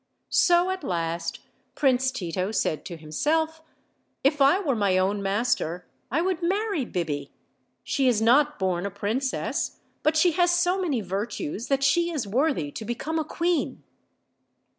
So at last Prince Tito said to himself, "If I were my own master I would marry Biby; she is not born a princess, but she has so many virtues that she is worthy to become a queen."